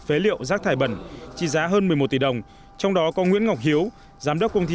phế liệu rác thải bẩn trị giá hơn một mươi một tỷ đồng trong đó có nguyễn ngọc hiếu giám đốc công ty